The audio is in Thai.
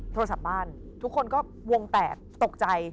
โทรศัพท์บ้านทุกคนก็วงแตกตกใจ